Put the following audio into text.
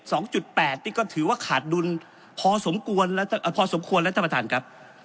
สองจุดแปดนี่ก็ถือว่าขาดดุลพอสมควรแล้วพอสมควรแล้วท่านประธานครับ